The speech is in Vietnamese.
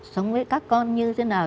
sống với các con như thế nào